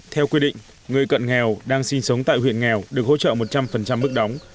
theo quy định người cận nghèo đang sinh sống tại huyện nghèo được hỗ trợ một trăm linh mức đóng